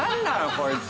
こいつ。